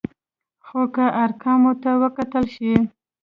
خو که ارقامو ته وکتل شي،